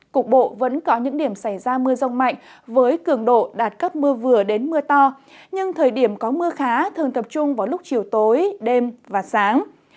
cục bộ vẫn có những điểm xảy ra mưa rông mạnh với cường độ đạt cấp mưa vừa đến mưa to nhưng thời điểm có mưa khá thường tập trung vào lúc chiều tối đêm và sáng